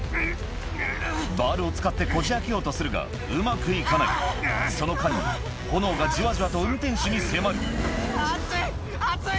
バールを使ってこじ開けようとするがうまく行かないその間にも炎がじわじわと運転手に迫る熱い！